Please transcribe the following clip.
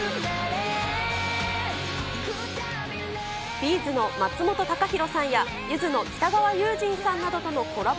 Ｂ’ｚの松本孝弘さんやゆずの北川悠仁さんなどとのコラボ